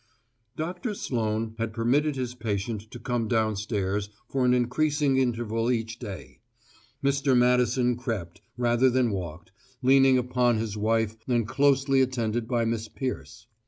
Doctor Sloane had permitted his patient to come down stairs for an increasing interval each day. Mr. Madison crept, rather than walked, leaning upon his wife and closely attended by Miss Peirce.